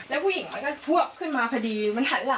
แล้วมือเราอยู่อย่างไงอะ